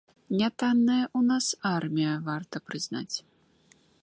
Нятанная ў нас армія, варта прызнаць.